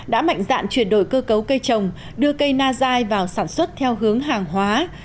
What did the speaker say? đã mạnh dạn chuyển đổi cơ cấu cây trồng đưa cây na dài vào sản xuất theo hướng hàng hóa